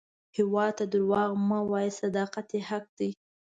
هیواد ته دروغ مه وایه، صداقت یې حق دی